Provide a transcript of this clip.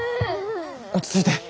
落ち着いて。